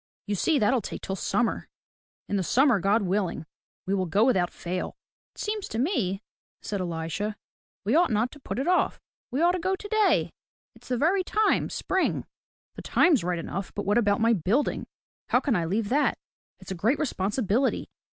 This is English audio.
You see that'll take till summer. In the summer, God willing, we will go without fail." "It seems to me," says Elisha, *'we ought not to put it off. We ought to go today. It's the very time — spring." "The time's right enough, but what about my building? How can I leave that. It's a great responsibility."